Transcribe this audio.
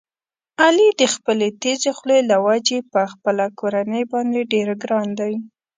علي د خپلې تېزې خولې له وجې په خپله کورنۍ باندې ډېر ګران دی.